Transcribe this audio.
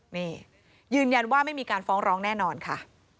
นี่ยืนยันว่าไม่มีการฟ้องร้องแน่นอนค่ะ